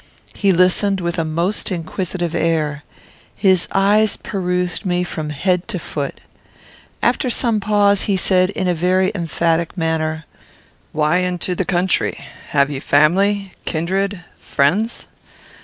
He listened with a most inquisitive air. His eye perused me from head to foot. After some pause, he said, in a very emphatic manner, "Why into the country? Have you family? Kindred? Friends?"